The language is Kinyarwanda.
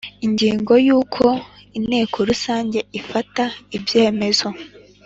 Ingingo Y Uko Inteko Rusange ifta ibyemezo